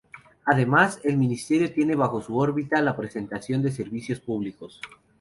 Además, el Ministerio tiene bajo su órbita la prestación de servicios públicos.